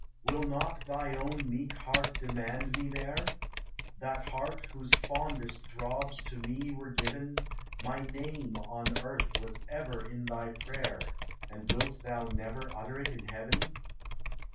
Will not thy own meek heart demand me there? That heart whose fondest throbs to me were given ; My name on earth was ever in thy prayer, And wilt thou never utter it in heaven?